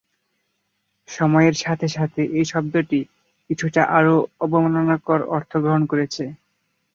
সময়ের সাথে সাথে এই শব্দটি কিছুটা আরও অবমাননাকর অর্থ গ্রহণ করেছে।